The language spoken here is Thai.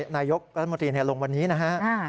นายกรัฐมนตรีลงวันนี้นะฮะ